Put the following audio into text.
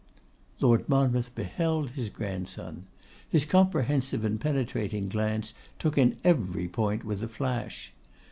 Lord Monmouth beheld his grandson. His comprehensive and penetrating glance took in every point with a flash.